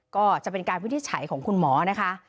ก็จะเป็นการวินิจฉัยของคุณหมอนะคะ